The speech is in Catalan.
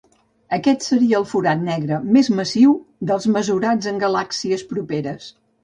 Aquest seria el forat negre més massiu dels mesurats en galàxies properes.